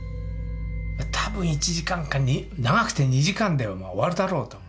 多分１時間か長くて２時間で終わるだろうと。